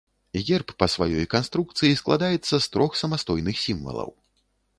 Герб па сваёй канструкцыі складаецца з трох самастойных сімвалаў.